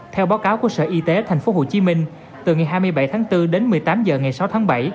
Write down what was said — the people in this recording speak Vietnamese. theo báo cáo của sở y tế tp hcm từ ngày hai mươi bảy tháng bốn đến một mươi tám h ngày sáu tháng bảy